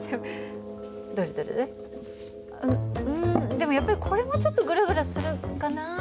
でもやっぱりこれもちょっとグラグラするかな。